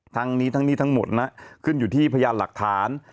ทั้งนี้ทั้งนี้ทั้งหมดนะขึ้นอยู่ที่พยานหลักฐาน